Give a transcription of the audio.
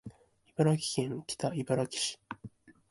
茨城県北茨城市